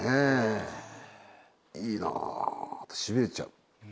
いいなしびれちゃう。